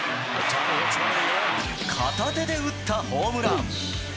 片手で打ったホームラン。